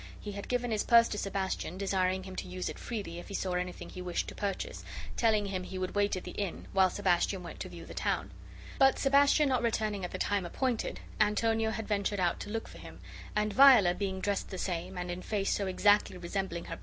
He had given his purse to Sebastian, desiring him to use it freely if he saw anything he wished to purchase, telling him he would wait at the inn while Sebastian went to view the town; but, Sebastian not returning at the time appointed, Antonio had ventured out to look for him, and, priest made Orsino believe that his page had robbed him of the treasure he prized above his life.